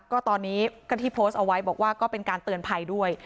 ก็ตอนนี้ก็ที่โพสต์เอาไว้บอกว่าก็เป็นการเตือนภัยด้วย